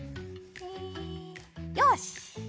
よし！